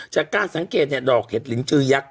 จากการสังเกตเนี่ยดอกเห็ดลินจือยักษ